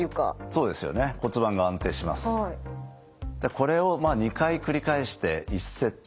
これを２回繰り返して１セット。